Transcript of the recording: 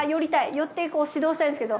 寄って指導したいんですけど。